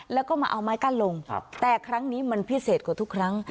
แล้วก็มาเอาไม้กั้นลงแต่ครั้งนี้มันพิเศษกว่าทุกครั้ง